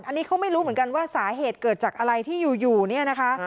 อันนี้เขาไม่รู้เหมือนกันว่าสาเหตุเกิดจากอะไรที่อยู่เนี่ยนะคะ